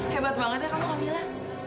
hebat banget ya kamu camilla